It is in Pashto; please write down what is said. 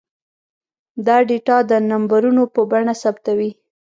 دا ډاټا د نمبرونو په بڼه ثبتوي.